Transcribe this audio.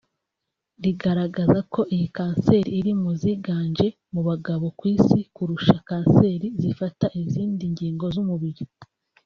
rigaragaza ko iyi kanseri iri mu ziganje mu bagabo ku isi kurusha kanseri zifata izindi ngingo z’umubiri